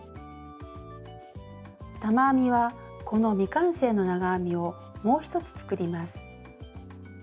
玉編みはこの未完成の長編みをもう一つ作ります。